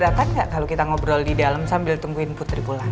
kamu keberatan gak kalau kita ngobrol di dalam sambil tungguin putri pulang